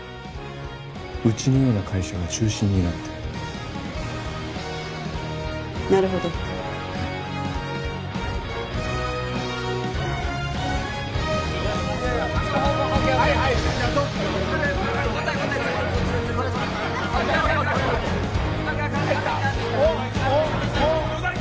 うちのような会社が中心になってなるほどはいおっおっおっ！